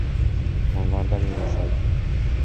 Январда мен эс алдым.